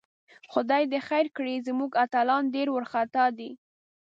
خدای دې خیر کړي، زموږ اتلان ډېر وارخطاء دي